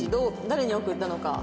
誰に送ったのか。